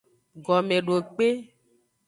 Gomedokpe.